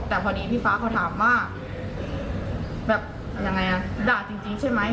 แต่พอดีพี่ฟ้าเขาถามว่าแบบยังไงอ่ะด่าจริงใช่ไหม